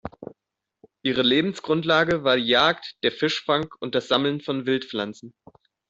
Ihre Lebensgrundlage war die Jagd, der Fischfang und das Sammeln von Wildpflanzen.